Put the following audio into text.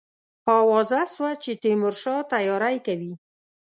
آوازه سوه چې تیمورشاه تیاری کوي.